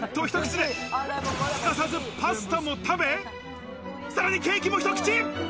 すかさずパスタも食べ、さらにケーキも一口。